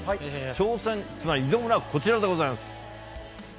挑戦、つまり挑むのは、こちらでございます。